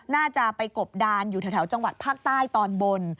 น่าจะไปกบดานอยู่แถวจังหวัดภาคใต้ตอนบน